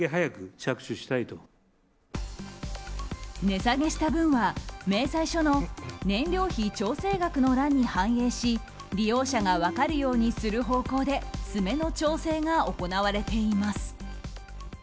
値下げした分は、明細書の燃料費調整額の欄に反映し利用者が分かるようにする方向で詰めの調整が行われています。